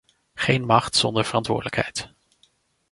Geen macht zonder verantwoordelijkheid.